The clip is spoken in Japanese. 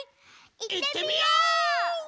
いってみよう！